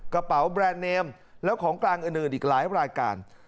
กระเป๋าแบรนด์เนมแล้วของกลางอื่นอีกหลายรายการ